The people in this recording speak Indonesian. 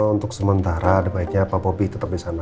untuk sementara ada baiknya pak bobi tetap di sana